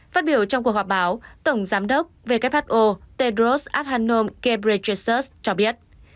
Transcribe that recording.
phát biểu trong cuộc họp báo tổng giám đốc who tedros adhanom ghebreyesus cho biết